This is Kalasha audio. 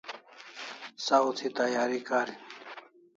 Saw thi tayari karin